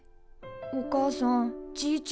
お母さんじいちゃんは？